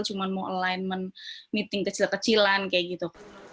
cuma mau alignment meeting kecil kecilan kayak gitu